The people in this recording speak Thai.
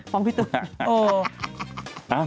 ของพี่ตูน